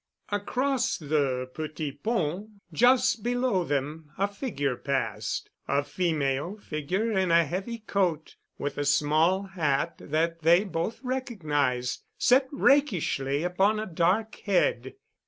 Across the Petit Pont, just below them, a figure passed, a female figure in a heavy coat with a small hat that they both recognized, set rakishly upon a dark head.